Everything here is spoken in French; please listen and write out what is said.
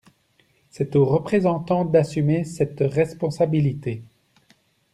C'est aux Représentants d'assumer cette responsabilité.